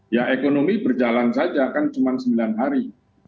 ya ekonomi berjalan saja kan cuma sembilan hari